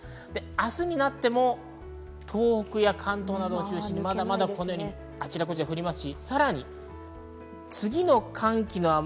明日になっても東北や関東などを中心にまだまだあちらこちら降ります。